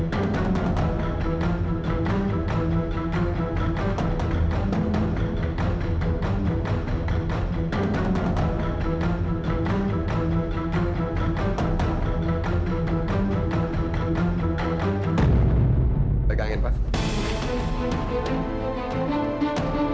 jangan lupa subscribe channel ini